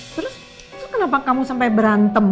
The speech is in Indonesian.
terus kenapa kamu sampai berantem